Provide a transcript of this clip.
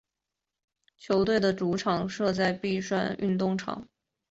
球队的主场设在碧山体育场。